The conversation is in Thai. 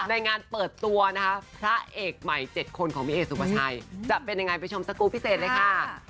ในงานเปิดตัวนะคะพระเอกใหม่๗คนของพี่เอกสุภาชัยจะเป็นยังไงไปชมสกูลพิเศษเลยค่ะ